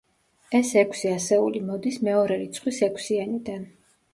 ეს ექვსი ასეული მოდის მეორე რიცხვის ექვსიანიდან.